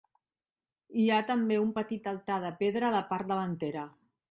Hi ha també un petit altar de pedra a la part davantera.